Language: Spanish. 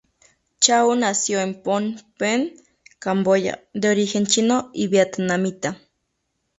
Chau nació en Phnom Penh, Camboya, de origen chino y vietnamita.